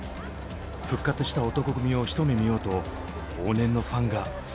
復活した男闘呼組をひと目見ようと往年のファンが殺到。